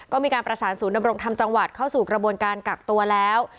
ก็มีการประสานศูนย์ดำรงธรรมจังหวัดเข้าสู่กระบวนการกักตัวแล้ว